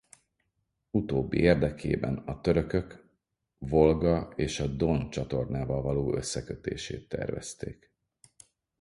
Utóbbi érdekében a törökök Volga és a Don csatornával való összekötését tervezték.